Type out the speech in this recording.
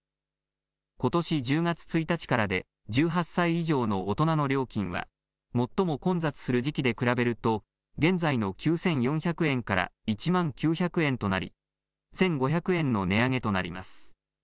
ことし１０月１日からで、１８歳以上の大人の料金は最も混雑する時期で比べると現在の９４００円から１万９００円となり、１５００円の値上げとなります。